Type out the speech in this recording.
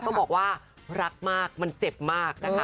ต้องบอกว่ารักมากมันเจ็บมากนะคะ